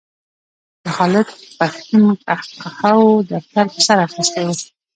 د خالد پښتون قهقهاوو دفتر په سر اخیستی و.